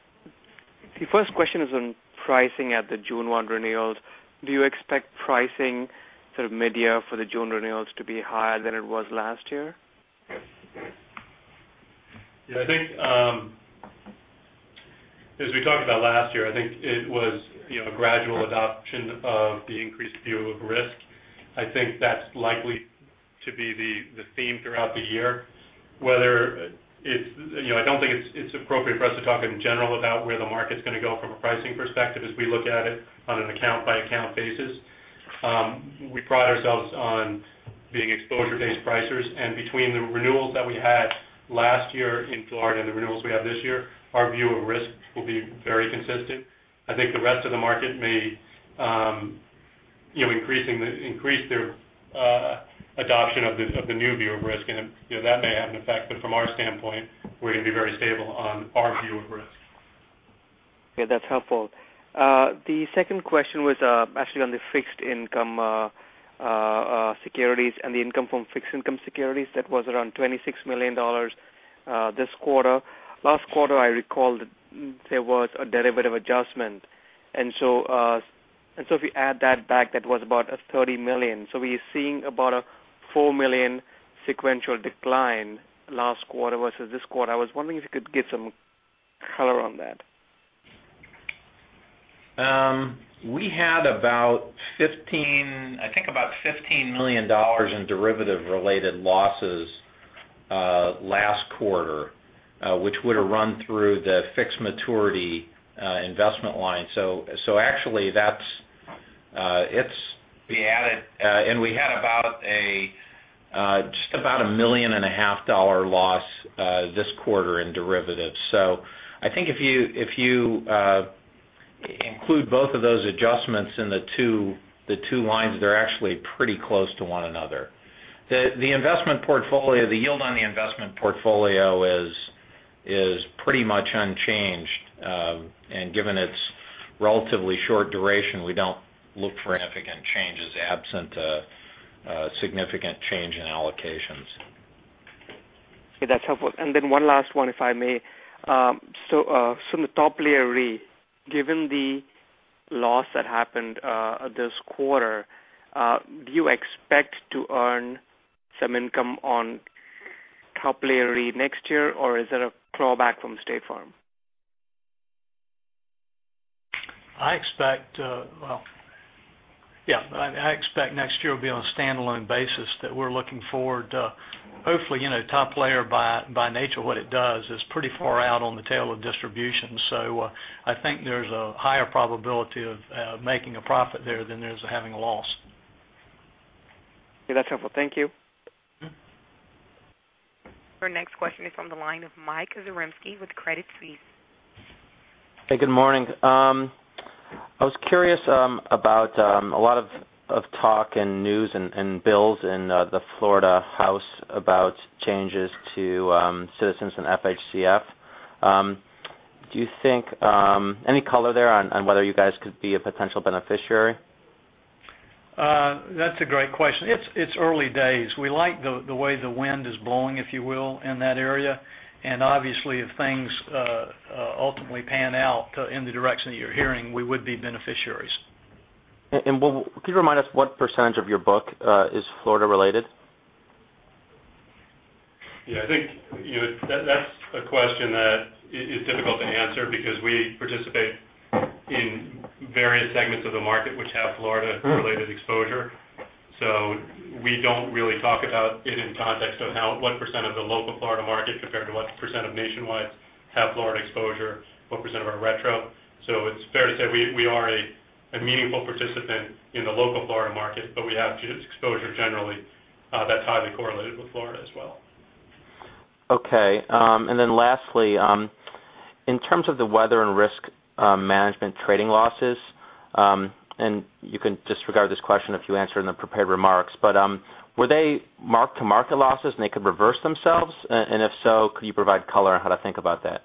first question is on pricing at the June one renewals. Do you expect pricing sort of mid-year for the June renewals to be higher than it was last year? Yeah. As we talked about last year, I think it was a gradual adoption of the increased view of risk. I think that's likely to be the theme throughout the year. I don't think it's appropriate for us to talk in general about where the market's going to go from a pricing perspective as we look at it on an account-by-account basis. We pride ourselves on being exposure-based pricers, and between the renewals that we had last year in Florida and the renewals we have this year, our view of risk will be very consistent. I think the rest of the market may increase their adoption of the new view of risk, and that may have an effect. From our standpoint, we're going to be very stable on our view of risk. Okay, that's helpful. The second question was actually on the fixed income securities and the income from fixed income securities that was around $26 million this quarter. Last quarter, I recall there was a derivative adjustment, if you add that back, that was about $30 million. We're seeing about a $4 million sequential decline last quarter versus this quarter. I was wondering if you could give some color on that. We had about $15 million in derivative related losses last quarter, which would have run through the fixed maturity investment line. Actually, we had just about a million and a half dollar loss this quarter in derivatives. I think if you include both of those adjustments in the two lines, they're actually pretty close to one another. The yield on the investment portfolio is pretty much unchanged. Given its relatively short duration, we don't look for significant changes absent a significant change in allocations. Okay, that's helpful. One last one, if I may. From the Top Layer Re, given the loss that happened this quarter, do you expect to earn some income on Top Layer Re next year or is that a clawback from State Farm? I expect next year will be on a standalone basis that we're looking forward to. Hopefully, Top Layer Re by nature what it does is pretty far out on the tail of distribution. I think there's a higher probability of making a profit there than there is of having a loss. Okay. That's helpful. Thank you. Our next question is from the line of Michael Zarembski with Credit Suisse. Hey, good morning. I was curious about a lot of talk in news and bills in the Florida House about changes to Citizens and FHCF. Any color there on whether you guys could be a potential beneficiary? That's a great question. It's early days. We like the way the wind is blowing, if you will, in that area. Obviously if things ultimately pan out in the direction that you're hearing, we would be beneficiaries. Could you remind us what % of your book is Florida related? Yeah, I think that's a question that is difficult to answer because we participate in various segments of the market which have Florida related exposure. We don't really talk about it in context of what % of the local Florida market compared to what % of nationwide have Florida exposure, what % of our retro. It's fair to say we are a meaningful participant in the local Florida market, but we have exposure generally that's highly correlated with Florida as well. Okay. Then lastly, in terms of the weather and risk management trading losses, you can disregard this question if you answered in the prepared remarks. Were they mark-to-market losses and they could reverse themselves? If so, could you provide color on how to think about that?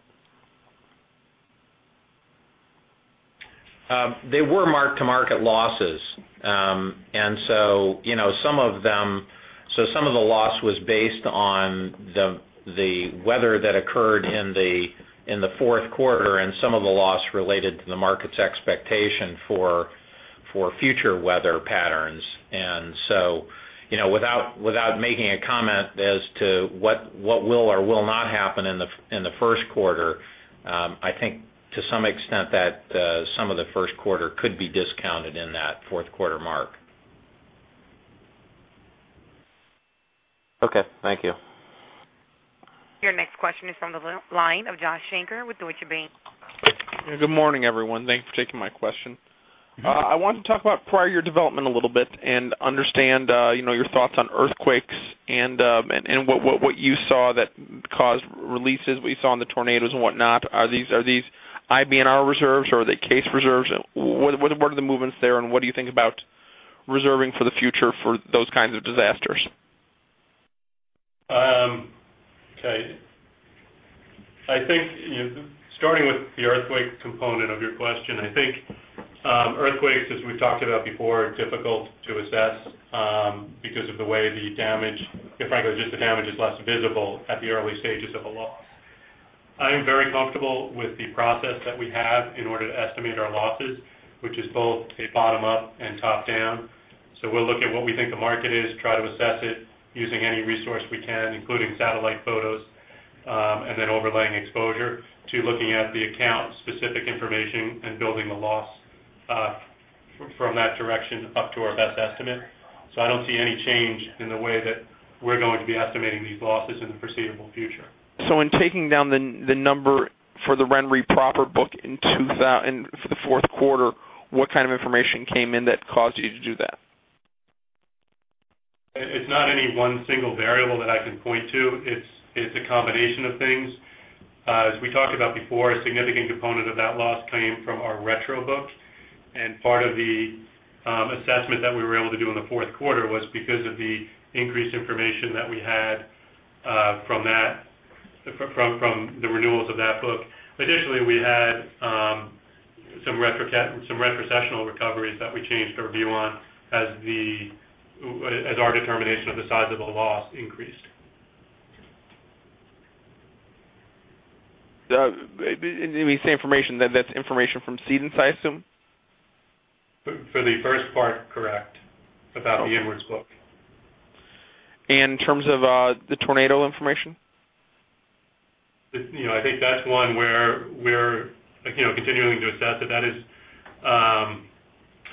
They were mark-to-market losses. Some of the loss was based on the weather that occurred in the fourth quarter, and some of the loss related to the market's expectation for future weather patterns. Without making a comment as to what will or will not happen in the first quarter, I think to some extent that some of the first quarter could be discounted in that fourth quarter mark. Okay, thank you. Your next question is from the line of Joshua Shanker with Deutsche Bank. Good morning, everyone. Thanks for taking my question. I wanted to talk about prior year development a little bit and understand your thoughts on earthquakes and what you saw that caused releases. We saw in the tornadoes and whatnot. Are these IBNR reserves or are they case reserves? What are the movements there, and what do you think about reserving for the future for those kinds of disasters? Okay. Starting with the earthquake component of your question, I think earthquakes, as we've talked about before, are difficult to assess because of the way the damage, frankly, just the damage is less visible at the early stages of a loss. I am very comfortable with the process that we have in order to estimate our losses, which is both a bottom up and top down. We'll look at what we think the market is, try to assess it using any resource we can, including satellite photos, and then overlaying exposure to looking at the account specific information and building the loss from that direction up to our best estimate. I don't see any change in the way that we're going to be estimating these losses in the foreseeable future. In taking down the number for the RenRe proper book for the fourth quarter, what kind of information came in that caused you to do that? It's not any one single variable that I can point to. It's a combination of things. As we talked about before, a significant component of that loss came from our retro book, and part of the assessment that we were able to do in the fourth quarter was because of the increased information that we had from the renewals of that book. Additionally, we had some retrocessional recoveries that we changed our view on as our determination of the size of the loss increased. When you say information, that's information from cedents, I assume? For the first part, correct, about the inwards book. In terms of the tornado information? I think that's one where we're continuing to assess it. That is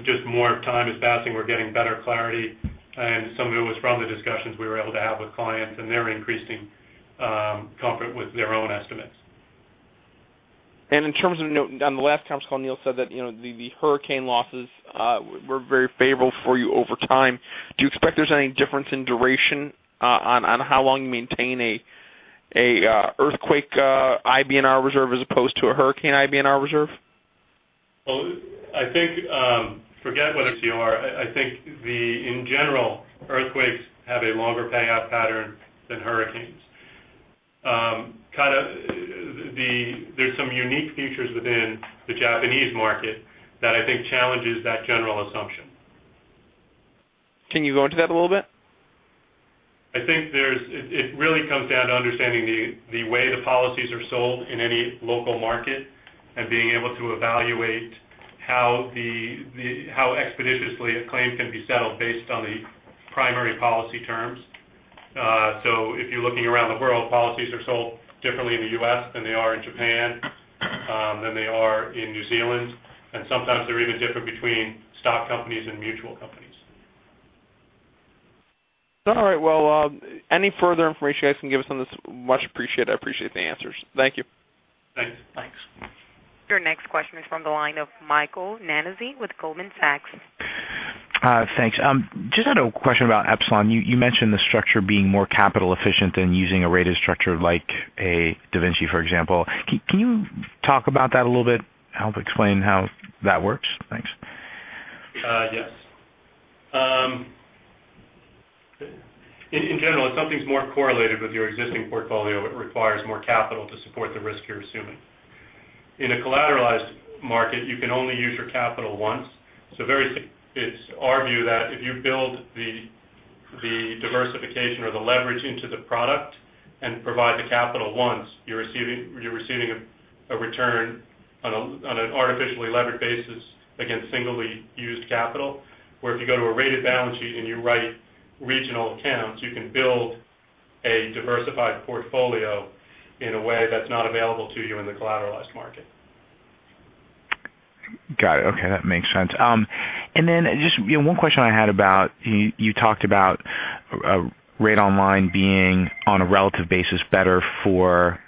just more time is passing. We're getting better clarity. Some of it was from the discussions we were able to have with clients, and they're increasing comfort with their own estimates. In terms of, on the last conference call, Neill said that the hurricane losses were very favorable for you over time. Do you expect there's any difference in duration on how long you maintain a earthquake IBNR reserve as opposed to a hurricane IBNR reserve? Forget whether it's IBNR. I think in general, earthquakes have a longer payout pattern than hurricanes. There's some unique features within the Japanese market that I think challenges that general assumption. Can you go into that a little bit? I think it really comes down to understanding the way the policies are sold in any local market and being able to evaluate how expeditiously a claim can be settled based on the primary policy terms. If you're looking around the world, policies are sold differently in the U.S. than they are in Japan, than they are in New Zealand, and sometimes they're even different between stock companies and mutual companies. All right. Any further information you guys can give us on this, much appreciated. I appreciate the answers. Thank you. Thanks. Your next question is from the line of Michael Nannizzi with Goldman Sachs. Thanks. Just had a question about Upsilon. You mentioned the structure being more capital efficient than using a rated structure like a DaVinci, for example. Can you talk about that a little bit? Help explain how that works. Thanks. Yes. In general, if something's more correlated with your existing portfolio, it requires more capital to support the risk you're assuming. In a collateralized market, you can only use your capital once. It's our view that if you build the diversification or the leverage into the product and provide the capital once, you're receiving a return on an artificially levered basis against singly used capital. Where if you go to a rated balance sheet and you write regional accounts, you can build a diversified portfolio in a way that's not available to you in the collateralized market. Got it. Okay. That makes sense. Then, just one question I had about, you talked about rate on line being, on a relative basis, better for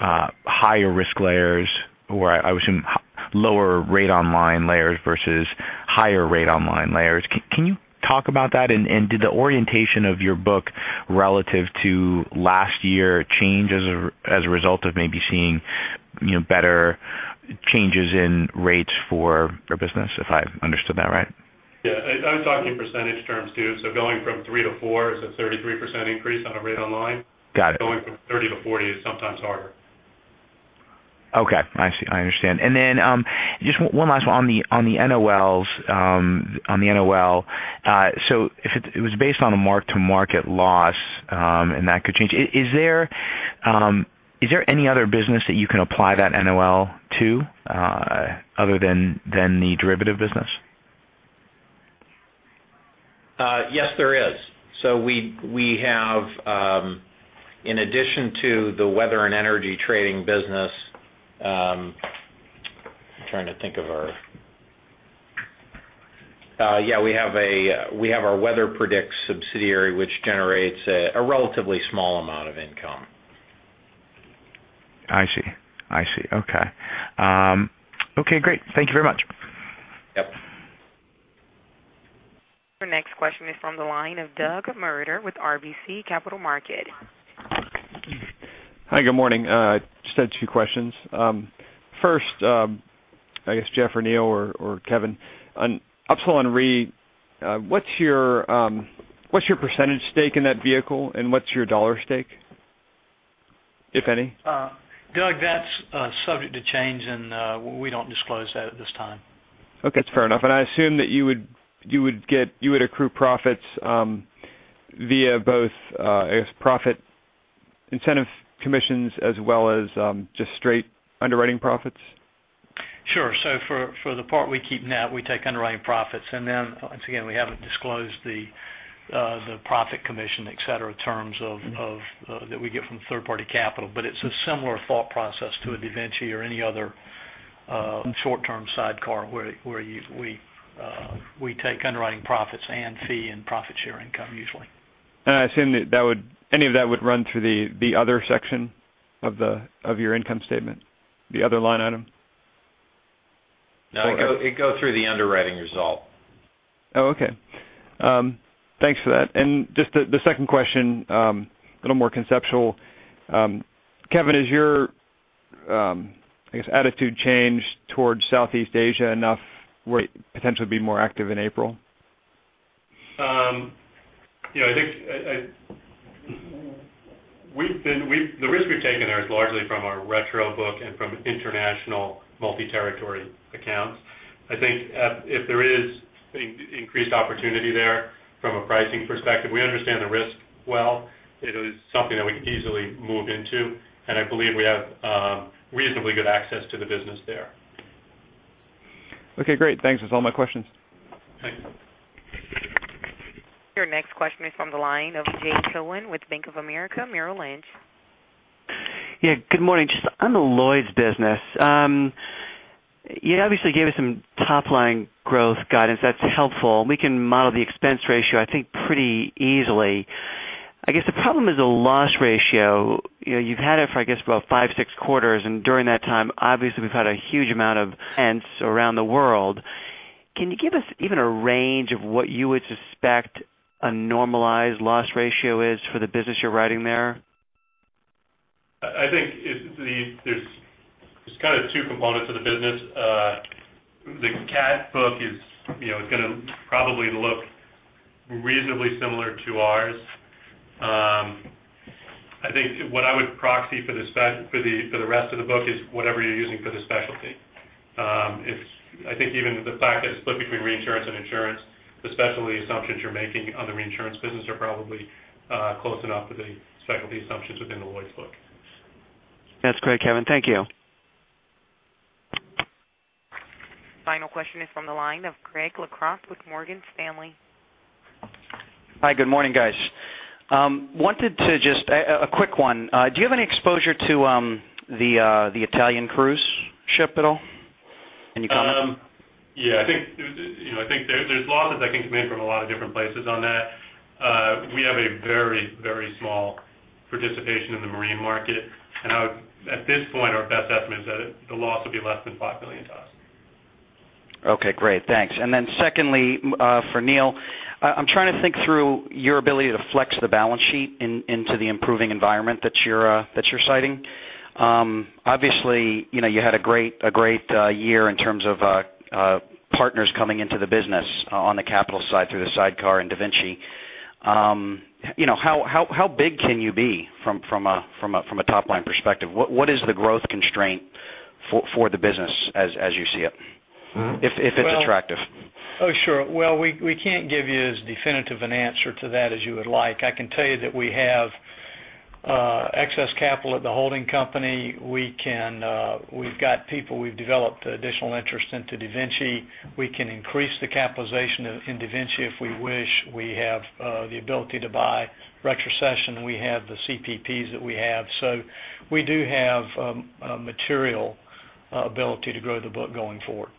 higher risk layers or, I should say, lower rate on line layers versus higher rate on line layers. Can you talk about that? Did the orientation of your book relative to last year change as a result of maybe seeing better changes in rates for business, if I've understood that right? Yeah. I was talking percentage terms too. Going from three to four is a 33% increase on a rate on line. Got it. Going from 30 to 40 is sometimes harder. Okay. I understand. Just one last one on the NOL. If it was based on a mark-to-market loss, and that could change. Is there any other business that you can apply that NOL to other than the derivative business? Yes, there is. We have, in addition to the weather and energy trading business, I'm trying to think. We have our Weather Predict subsidiary, which generates a relatively small amount of income. I see. Okay. Okay, great. Thank you very much. Yep. Your next question is from the line of Doug Mulder with RBC Capital Markets. Hi, good morning. Just had two questions. First, I guess Jeff or Neill or Kevin, on Upsilon Re, what's your percentage stake in that vehicle and what's your dollar stake, if any? Doug, that's subject to change and we don't disclose that at this time. Okay. That's fair enough. I assume that you would accrue profits via both, I guess, profit incentive commissions as well as just straight underwriting profits? Sure. For the part we keep net, we take underwriting profits. Once again, we haven't disclosed the profit commission, et cetera, terms that we get from third party capital. It's a similar thought process to a DaVinci or any other short-term sidecar where we take underwriting profits and fee and profit share income usually. I assume that any of that would run through the other section of your income statement, the other line item? No, it'd go through the underwriting result. Just the second question, a little more conceptual. Kevin, has your, I guess, attitude changed towards Southeast Asia enough where you'd potentially be more active in April? The risk we've taken there is largely from our retro book and from international multi-territory accounts. I think if there is increased opportunity there from a pricing perspective, we understand the risk well. It is something that we could easily move into, and I believe we have reasonably good access to the business there. Okay, great. Thanks. That's all my questions. Thanks. Your next question is from the line of James Killen with Bank of America Merrill Lynch. Yeah, good morning. Just on the Lloyd's business. You obviously gave us some top-line growth guidance. That's helpful. We can model the expense ratio, I think, pretty easily. I guess the problem is the loss ratio. You've had it for, I guess, about five, six quarters, and during that time, obviously, we've had a huge amount of events around the world. Can you give us even a range of what you would suspect a normalized loss ratio is for the business you're writing there? I think there's two components of the business. The cat book is going to probably look reasonably similar to ours. I think what I would proxy for the rest of the book is whatever you're using for the specialty. I think even the fact that it's split between reinsurance and insurance, the specialty assumptions you're making on the reinsurance business are probably close enough to the specialty assumptions within the Lloyd's book. That's great, Kevin. Thank you. Final question is from the line of Craig LaCroix with Morgan Stanley. Hi, good morning, guys. A quick one. Do you have any exposure to the Italian cruise ship at all? Any comment? Yeah. I think there's losses that can come in from a lot of different places on that. We have a very small participation in the marine market, and at this point, our best estimate is that the loss will be less than $5 million to us. Okay, great. Thanks. Secondly, for Neill, I'm trying to think through your ability to flex the balance sheet into the improving environment that you're citing. Obviously, you had a great year in terms of partners coming into the business on the capital side through the sidecar in DaVinci. How big can you be from a top-line perspective? What is the growth constraint for the business as you see it, if it's attractive? Oh, sure. Well, we can't give you as definitive an answer to that as you would like. I can tell you that we have excess capital at the holding company. We've got people we've developed additional interest into DaVinci. We can increase the capitalization in DaVinci if we wish. We have the ability to buy retrocession. We have the CPPs that we have. We do have a material ability to grow the book going forward.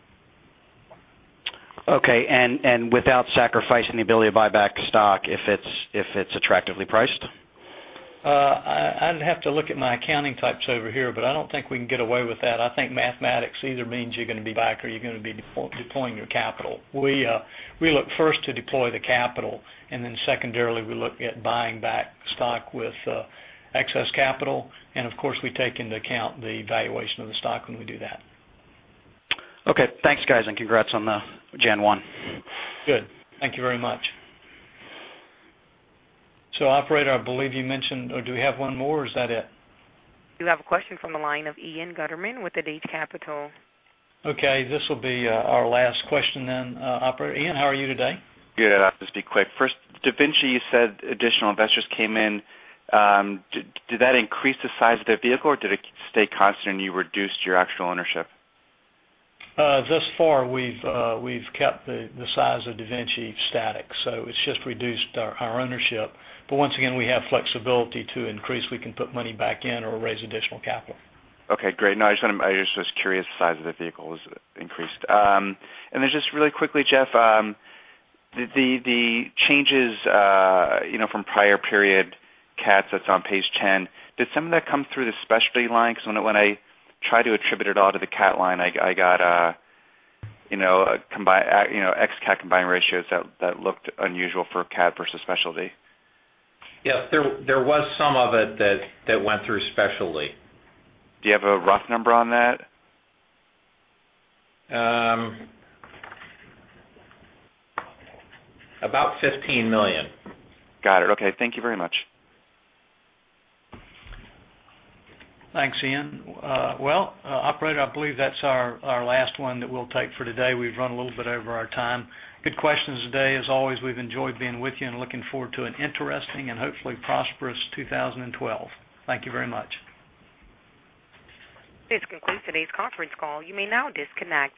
Okay. Without sacrificing the ability to buy back stock if it's attractively priced? I'd have to look at my accounting types over here, but I don't think we can get away with that. I think mathematics either means you're going to be back or you're going to be deploying your capital. We look first to deploy the capital, and then secondarily, we look at buying back stock with excess capital, and of course, we take into account the valuation of the stock when we do that. Okay. Thanks, guys, and congrats on the January 1. Good. Thank you very much. Operator, I believe you mentioned, or do we have one more or is that it? You have a question from the line of Ian Gutterman with Adage Capital. Okay. This will be our last question then, operator. Ian, how are you today? Good. I'll just be quick. First, DaVinci, you said additional investors came in. Did that increase the size of their vehicle, or did it stay constant and you reduced your actual ownership? Thus far, we've kept the size of DaVinci static, so it's just reduced our ownership. Once again, we have flexibility to increase. We can put money back in or raise additional capital. Okay, great. No, I just was curious if the size of the vehicle was increased. Then just really quickly, Jeff, the changes from prior period cats that's on page 10, did some of that come through the specialty line? When I tried to attribute it all to the cat line, I got X cat combined ratios that looked unusual for a cat versus specialty. Yes, there was some of it that went through specialty. Do you have a rough number on that? About $15 million. Got it. Okay. Thank you very much. Thanks, Ian. Operator, I believe that's our last one that we'll take for today. We've run a little bit over our time. Good questions today. As always, we've enjoyed being with you and looking forward to an interesting and hopefully prosperous 2012. Thank you very much. This concludes today's conference call. You may now disconnect.